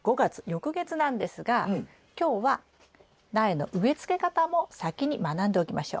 翌月なんですが今日は苗の植え付け方も先に学んでおきましょう。